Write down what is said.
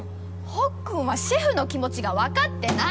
ほっくんはシェフの気持ちがわかってない！